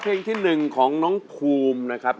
เพลงที่หนึ่งของน้องคูมนะครับ